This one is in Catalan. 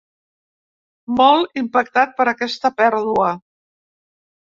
Molt impactat per aquesta pèrdua.